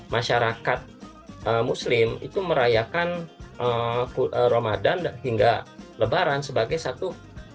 masyarakat muslim itu merayakan ramadan hingga lebaran sebagai satu